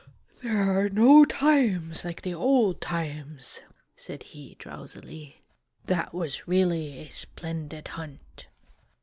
"There are no times like the old times!' said he, drowsily. "That was really a splendid hunt!"